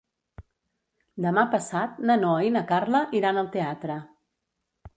Demà passat na Noa i na Carla iran al teatre.